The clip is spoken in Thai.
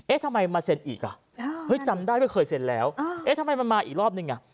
ทำไมมาเซ็นอีกอ่ะเฮ้ยจำได้ไม่เคยเซ็นแล้วเอ๊ะทำไมมันมาอีกรอบนึงอ่ะ